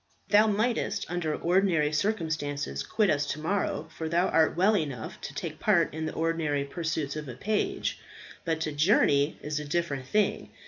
"Thou mightst, under ordinary circumstances, quit us to morrow, for thou art well enough to take part in the ordinary pursuits of a page; but to journey is a different thing.